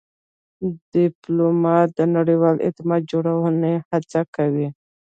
ډيپلومات د نړیوال اعتماد جوړولو هڅه کوي.